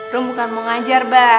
rum bukan mau ngajar bah